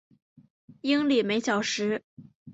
英里每小时。